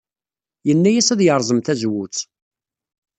Yenna-as ad yerẓem tazewwut.